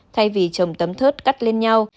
thay vì trồng tấm thớt cắt lên nhau